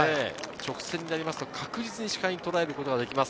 直線になると確実に視界にとらえることができます。